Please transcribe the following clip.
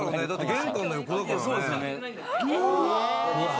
玄関の横だからね。